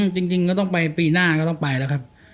จริงก็ต้องไปปีหน้าก็ต้องไปแล้วครับ